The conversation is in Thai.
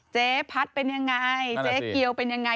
เจ๊พัดเป็นยังไงเจ๊เกียวเป็นยังไง